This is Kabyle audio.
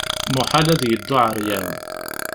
Muḥal ad yeddu ɛeryan.